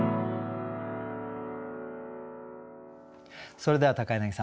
それでは柳さん